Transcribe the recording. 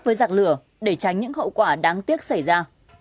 với giặc lửa để tránh những hậu quả đáng tiếc xảy ra